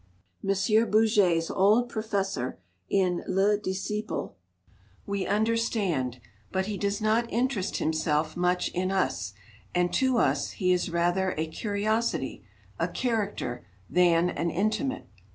M. Bourget's old professor, in "Le Disciple," we understand, but he does not interest himself much in us, and to us he is rather a curiosity, a "character," than an intimate.